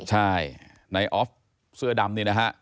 ใช่นายออฟเสื้อดำนี่นะฮะ